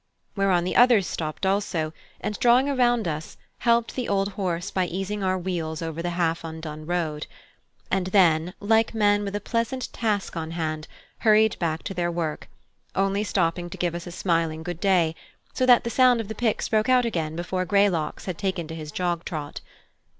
Whereon the others stopped also, and, drawing around us, helped the old horse by easing our wheels over the half undone road, and then, like men with a pleasant task on hand, hurried back to their work, only stopping to give us a smiling good day; so that the sound of the picks broke out again before Greylocks had taken to his jog trot.